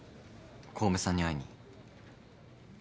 小梅さんに会いに。